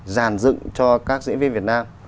giàn dựng cho các diễn viên việt nam